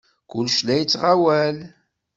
Kullec la yettɣawal.